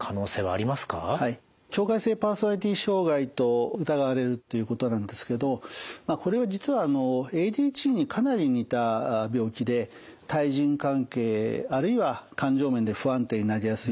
境界性パーソナリティー障害と疑われるっていうことなんですけどこれは実はＡＤＨＤにかなり似た病気で対人関係あるいは感情面で不安定になりやすいといった特徴がございます。